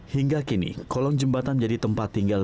hingga kini kolong jembatan menjadi tempat tinggal